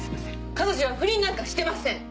彼女は不倫なんかしてません！